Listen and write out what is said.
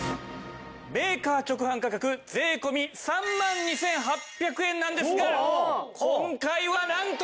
メーカー直販価格税込３万２８００円なんですが今回はなんと。